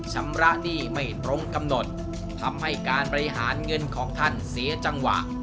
ชำระหนี้ไม่ตรงกำหนดทำให้การบริหารเงินของท่านเสียจังหวะ